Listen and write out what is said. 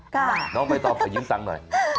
กล้าน้องไม่ตอบก็ยิ้มตังหน่อย